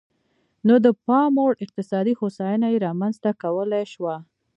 نو د پاموړ اقتصادي هوساینه یې رامنځته کولای شوه.